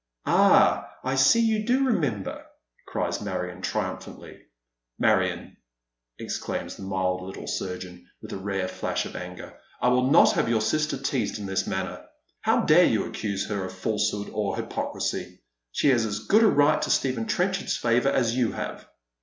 " Ah, I see you do remember," cries Marion, ti iumphantly. " Marion," exclaims the mild Uttle surgeon, with a rare flash of anger, " I will not have your sister teased in this manner. How dare you accuse her of falsehood or hypocrisy? She has as good a right to Stephen Trenchard's favour as you have."